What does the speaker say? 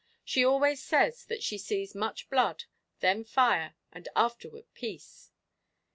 She always says that she sees much blood, then fire, and afterward peace."